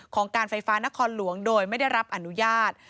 ของการไฟฟ้านครหลวงโดยไม่ได้รับอนุญาต